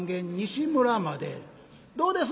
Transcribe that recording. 「どうです？